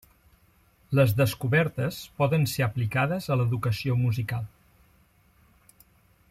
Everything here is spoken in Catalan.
Les descobertes poden ser aplicades a l’educació musical.